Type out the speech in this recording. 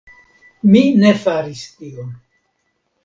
Mi ne faris tion.